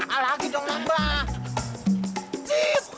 alah lagi dong nabah